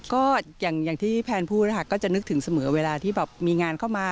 ก็อย่างที่แพนพูดนะคะก็จะนึกถึงเสมอเวลาที่แบบมีงานเข้ามา